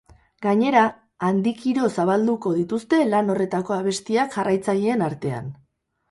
Gainera, handikiro zabalduko dituzte lan horretako abestiak jarraitzaileen artean.